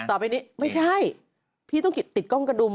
ต่อไปนี้ไม่ใช่พี่ต้องติดกล้องกระดุม